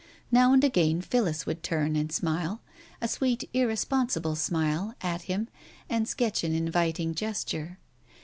Now and again Phillis would turn and smile, a sweet irresponsible smile, at him and sketch an inviting gesture.